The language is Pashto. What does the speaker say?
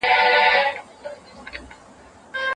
په دغه فاني دنیا کي یوازې مننه موږ ته نږدېوالی راکوي.